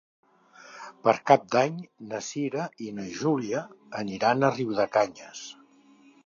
Per Cap d'Any na Cira i na Júlia aniran a Riudecanyes.